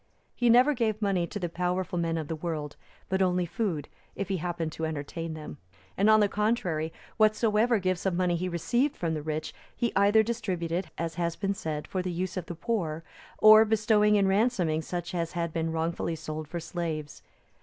He never gave money to the powerful men of the world, but only food, if he happened to entertain them; and, on the contrary, whatsoever gifts of money he received from the rich, he either distributed, as has been said, for the use of the poor, or bestowed in ransoming such as had been wrongfully sold for slaves.